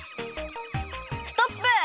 ストップ！